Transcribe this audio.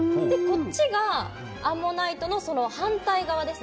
右側がアンモナイトの反対側です。